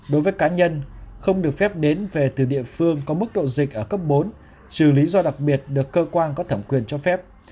đối với cá nhân không được phép đến về từ địa phương có mức độ dịch ở cấp bốn trừ lý do đặc biệt được cơ quan có thẩm quyền cho phép